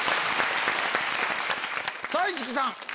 さぁ市來さん。